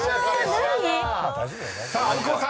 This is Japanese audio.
何⁉［さあ大久保さん！］